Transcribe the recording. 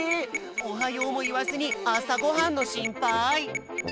「おはよう」もいわずにあさごはんのしんぱい？